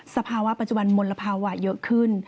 สภาวะปัจจุบันมลภาวะเยอะขึ้น